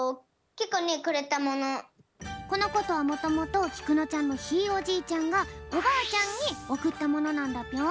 このことはもともときくのちゃんのひいおじいちゃんがおばあちゃんにおくったものなんだぴょん。